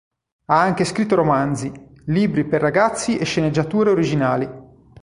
Ha anche scritto romanzi, libri per ragazzi e sceneggiature originali.